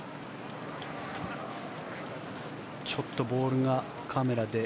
ちょっとボールがカメラで。